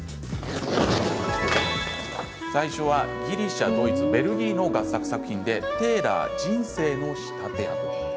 最初はギリシャ、ドイツベルギー合作作品で「テーラー人生の仕立て屋」です。